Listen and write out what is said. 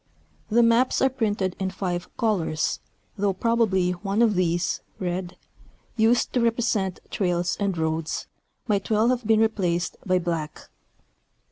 The maps are printed in five colors, though probably one of these, red (used to represent trails and roads) might well have been replaced by black.